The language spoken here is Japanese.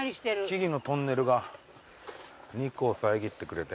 木々のトンネルが日光を遮ってくれて。